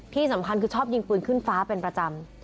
ที่สำคัญคือชอบยิงปืนขึ้นฟ้าเป็นประจำ